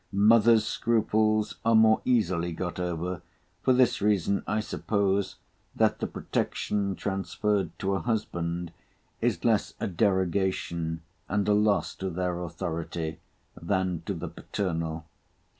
Mothers' scruples are more easily got over; for this reason, I suppose, that the protection transferred to a husband is less a derogation and a loss to their authority than to the paternal.